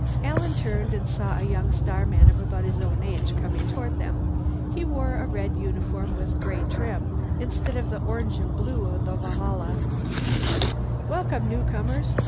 Alan turned and saw a young starman of about his own age coming toward them. He wore a red uniform with gray trim instead of the orange and blue of the Valhalla. "Welcome, newcomers.